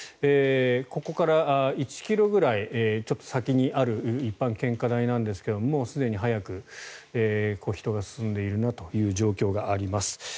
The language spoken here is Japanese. ここから１ｋｍぐらい先にある一般献花台なんですがもうすでに早く人が進んでいるなという状況があります。